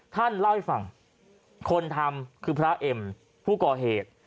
ท่านเล่าให้ฟังคนทำคือพระเอ็มผู้ก่อเหตุ